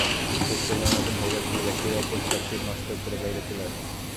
শেষ পর্যন্ত নতুন ভাইরাসগুলো ব্যাকটেরিয়ার কোষপ্রাচীর নষ্ট করে বাইরে চলে আসে।